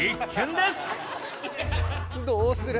どうする？